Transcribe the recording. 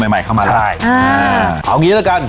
เอาอย่างนี้ละกัน